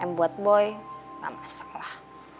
lima m buat boy gak masalah